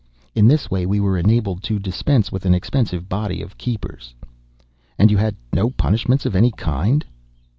In this way we were enabled to dispense with an expensive body of keepers." "And you had no punishments of any kind?"